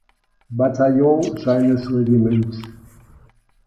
Bataillon seines Regiments.